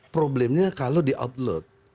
problemnya kalau di outload